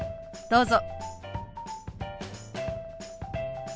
どうぞ。